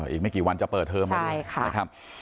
อีกไม่กี่วันจะเปิดเพิ่มมาด้วย